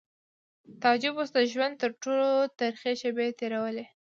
تعجب اوس د ژوند تر ټولو ترخې شېبې تېرولې